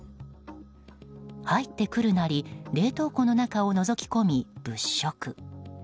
入ってくるなり冷凍庫の中をのぞき込み、物色。